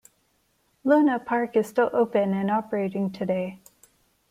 Luna Park is still open and operating today.